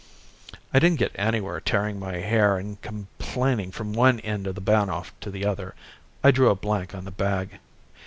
I didn't get anywhere tearing my hair and complaining from one end of the Bahnhof to the other. I drew a blank on the bag.